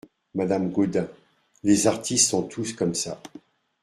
Madame Gaudin Les artistes sont tous comme ça !